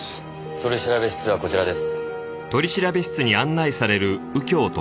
取調室はこちらです。